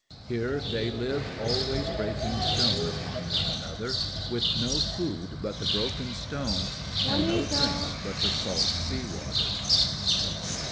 Here they live always, breaking stone upon one another, with no food but the broken stones and no drink but the salt sea water.